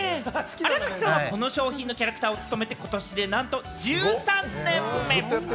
新垣さんはこの商品のキャラクターを務めて、ことしでなんと１３年目！